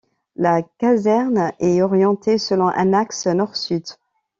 La caserne est orientée selon un axe nord-sud.